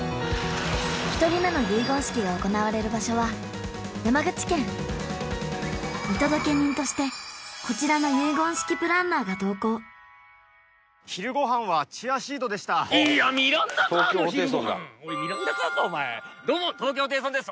１人目の結言式が行われる場所は山口県見届け人としてこちらの結言式プランナーが同行昼ご飯はチアシードでしたいやミランダ・カーの昼ご飯おいミランダ・カーかお前どうも東京ホテイソンです